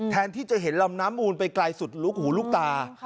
แทนที่จะเห็นลำน้ำมูลไปไกลสุดลูกหูลูกตา